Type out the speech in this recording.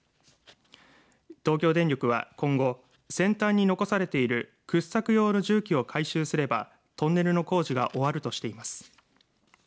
東京電力は今後先端に残されている掘削用の重機を回収すればトンネルの工事が終わるとしています。